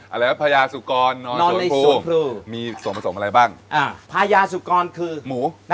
อะไรว่าพระยาสุกรนอนในสวนภูมีส่วนผสมอะไรบ้างอ่าพระยาสุกรคือหมู